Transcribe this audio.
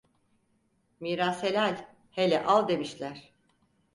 Miras helal, hele al demişler.